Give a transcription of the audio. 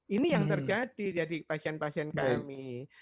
ini yang terjadi dari pasien pasien kami